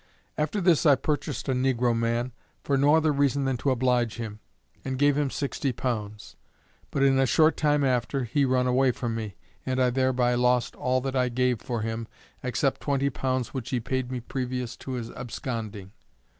After this I purchased a negro man, for no other reason than to oblige him, and gave him sixty pounds. But in a short time after he run away from me, and I thereby lost all that I gave for him, except twenty pounds which he paid me previous to his absconding.